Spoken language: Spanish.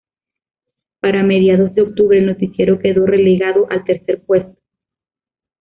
Para mediados de octubre, el noticiero quedó relegado al tercer puesto.